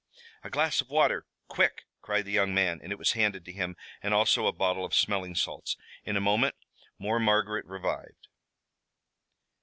"A glass of water, quick!" cried the young man, and it was handed to him, and also a bottle of smelling salts. In a moment more Margaret revived.